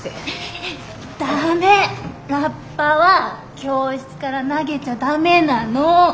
駄目ラッパは教室から投げちゃ駄目なの。